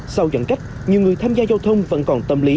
sau giãn cách nhiều người tham gia giao thông vẫn còn tâm lý